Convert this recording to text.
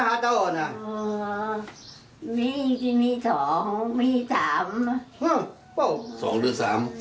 ๒หรือ๓